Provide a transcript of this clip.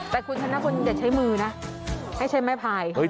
แต่คุณชนะควรจะใช้มือนะให้ใช้แม่พาย